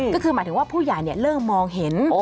ก็คือหมายถึงว่าผู้ใหญ่เริ่มมองเห็น